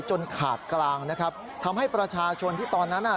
จนขาดกลางนะครับทำให้ประชาชนที่ตอนนั้นอ่ะ